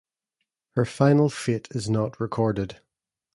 Her final fate is not recorded.